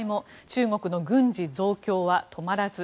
中国の軍事増強は止まらず。